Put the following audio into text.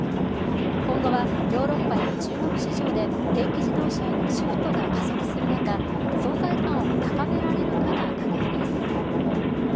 今後はヨーロッパや中国市場で電気自動車へのシフトが加速する中、存在感を高められるかが課題です。